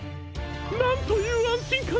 なんというあんしんかん！